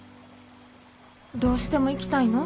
どうしても行きたいの？